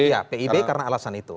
iya pib karena alasan itu